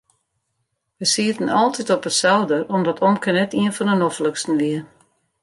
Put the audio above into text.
We sieten altyd op de souder omdat omke net ien fan de nofliksten wie.